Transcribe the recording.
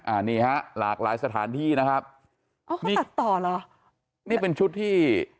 อันนี้ฮะหลากหลายสถานที่นะครับอ๋อมีตัดต่อเหรอนี่เป็นชุดที่